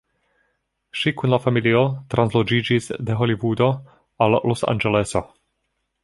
Ŝi kun la familio transloĝiĝis de Holivudo al Losanĝeleso.